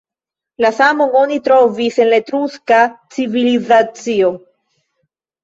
La samon oni trovis en la Etruska civilizacio.